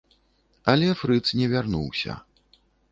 Але фрыц не вярнуўся.